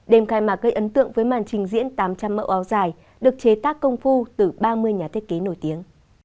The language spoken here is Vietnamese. đêm khai mạc gây ấn tượng với màn trình diễn tám trăm linh mẫu áo dài được chế tác công phu từ ba mươi nhà thiết kế nổi tiếng